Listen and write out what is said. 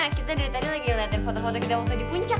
kita dari tadi lagi ngeliatin foto foto kita waktu di puncak